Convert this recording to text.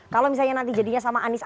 kalau misalnya nanti jadinya sama anies